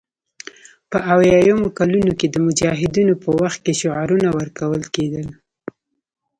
په اویایمو کلونو کې د مجاهدینو په وخت کې شعارونه ورکول کېدل